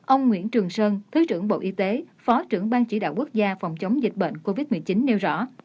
ông nguyễn trường sơn thứ trưởng bộ y tế phó trưởng ban chỉ đạo quốc gia phòng chống dịch bệnh covid một mươi chín nêu rõ